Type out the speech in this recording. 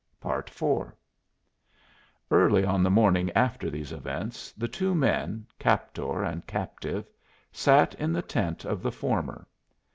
IV Early on the morning after these events the two men, captor and captive, sat in the tent of the former.